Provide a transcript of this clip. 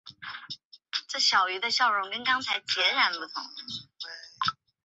也放声大哭